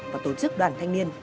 và tổ chức đoàn thanh niên